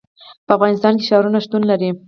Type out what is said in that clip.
په افغانستان کې ښارونه شتون لري.